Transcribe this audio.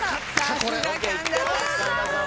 さすが神田さん。